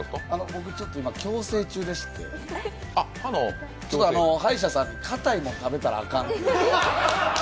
僕ちょっと、今矯正中でして歯医者さんにかたいもの食べたらあかんって。